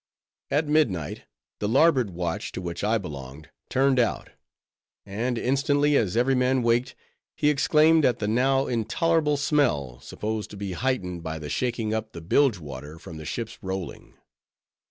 At midnight, the larboard watch, to which I belonged, turned out; and instantly as every man waked, he exclaimed at the now intolerable smell, supposed to be heightened by the shaking up the bilge water, from the ship's rolling.